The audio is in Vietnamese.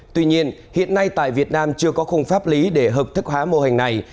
tuy nhiên hiện nay tại việt nam chưa có khung pháp lý để hợp thức hóa mô hình này